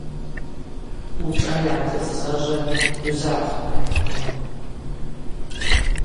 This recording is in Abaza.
Ушӏа йгӏатыцӏыз ажва гьузыгӏахънырхӏвхуам.